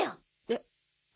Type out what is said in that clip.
えっ！